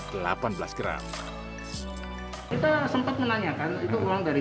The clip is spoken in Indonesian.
tetapi jumlah uang beli yang setinggi